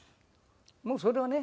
もうそれはね。